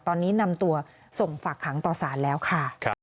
ตอนนี้นำตัวส่งฝากขังต่อสารแล้วค่ะ